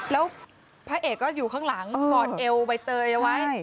แล้วพระเอกก็อยู่ข้างหลังกอดเอวใบเตยเอาไว้